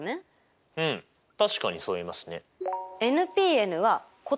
確かにそう言えますね。